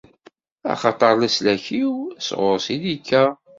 Axaṭer leslak-iw, sɣur-s i d-ikka.